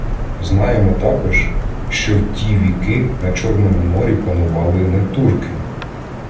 Знаємо також, що в ті віки на Чорному морі панували не турки.